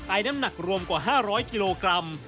น้ำหนักรวมกว่า๕๐๐กิโลกรัม